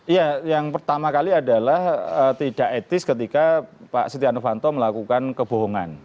ya yang pertama kali adalah tidak etis ketika pak setia novanto melakukan kebohongan